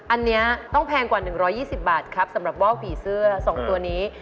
อันนี้ต้องแพงกว่า๑๒๐บาทครับสำหรับว่าวผีเสื้อ๒ตัวนี้